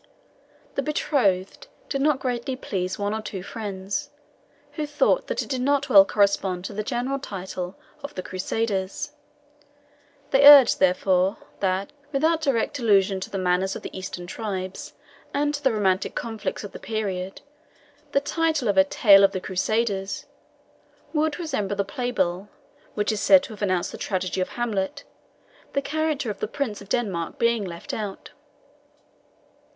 The "Betrothed" did not greatly please one or two friends, who thought that it did not well correspond to the general title of "The Crusaders." They urged, therefore, that, without direct allusion to the manners of the Eastern tribes, and to the romantic conflicts of the period, the title of a "Tale of the Crusaders" would resemble the playbill, which is said to have announced the tragedy of Hamlet, the character of the Prince of Denmark being left out.